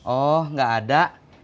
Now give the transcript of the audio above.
oh gak ada